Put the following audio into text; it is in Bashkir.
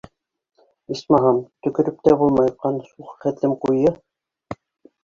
Исмаһам, төкөрөп тә булмай, ҡан шул хәтлем ҡуйы.